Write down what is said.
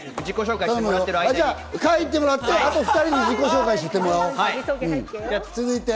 描いてもらって、あと２人の自己紹介してもらおう。